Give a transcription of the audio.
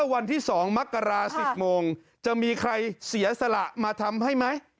วันที่๒มกรา๑๐โมงจะมีใครเสียสละมาทำให้ไหม